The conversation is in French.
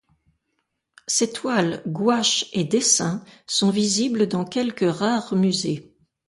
Ses toiles, gouaches et dessins sont visibles dans quelques rares musées.